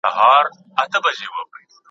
ایا ته د ارواپوهني په برخه کي تجربه لري؟